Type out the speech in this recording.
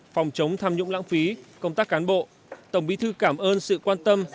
phòng chống tham nhũng lãng phí công tác cán bộ tổng bí thư cảm ơn sự quan tâm